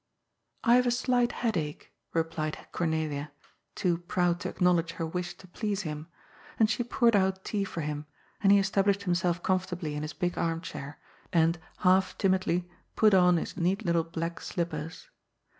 *' I have a slight headache," replied Cornelia, too proud to acknowledge her wish to please him. And she poured oat tea for him, and he established himself comfortably in his big arm chair, and, half timidly, put on his neat little black slippers.